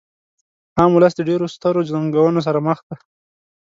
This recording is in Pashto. عام ولس د ډیرو سترو ننګونو سره مخ کوي.